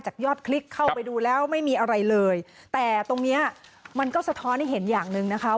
ยอดคลิกเข้าไปดูแล้วไม่มีอะไรเลยแต่ตรงเนี้ยมันก็สะท้อนให้เห็นอย่างหนึ่งนะคะ